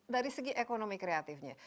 dari segi ekonomi kreatifnya